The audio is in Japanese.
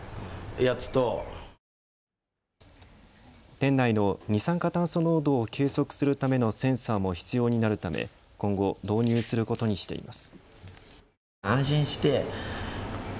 店内の二酸化炭素濃度を計測するためのセンサーも必要になるため今後、導入することにしています。